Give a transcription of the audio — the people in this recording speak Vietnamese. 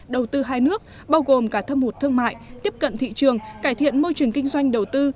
đầu tư hai nước bao gồm cả thâm hụt thương mại tiếp cận thị trường cải thiện môi trường kinh doanh đầu tư